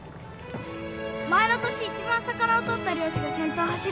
前の年いちばん魚を取った漁師が先頭を走るんだよ。